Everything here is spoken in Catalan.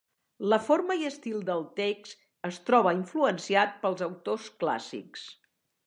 La forma i estil del text es troba influenciat pels autors clàssics.